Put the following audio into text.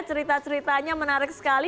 cerita ceritanya menarik sekali